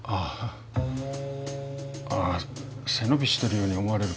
あ背伸びしてるように思われるかな。